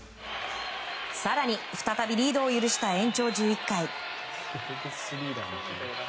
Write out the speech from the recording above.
更に、再びリードを許した延長１１回。